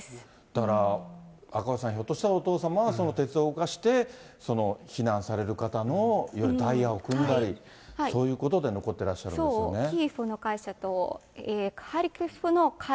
だから、赤星さん、ひょっとしたらお父様は鉄道を動かして、避難される方の、いわゆるダイヤを組んだり、そういうことで残ってらっしゃるんですね。